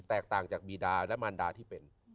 แตกต่างจากบีดาและมารดาที่เป็น